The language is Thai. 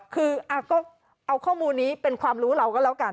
คือก็เอาข้อมูลนี้เป็นความรู้เราก็แล้วกัน